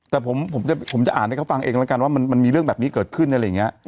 แต่ผมจะอ่านให้เขาฟังเองแล้วกันว่ามันมีเรื่องแบบนี้เกิดขึ้นอะไรอย่างนี้